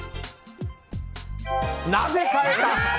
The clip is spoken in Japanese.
なぜ変えた。